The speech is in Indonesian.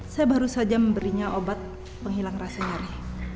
saya baru saja memberinya obat penghilang rasa nyari